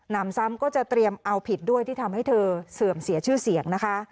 นำซ้ำก็จะเตรียมเอาผิดด้วยที่ทำให้เธอเสื่อมเสียชื่อเสียงนะคะ